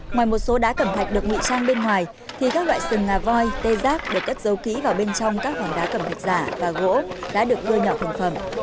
ngoài một số đá cẩm thạch được ngụy trang bên ngoài thì các loại sừng ngà voi tê giác được cất giấu kỹ vào bên trong các vòng đá cẩm thạch giả và gỗ đã được đưa nhỏ thành phẩm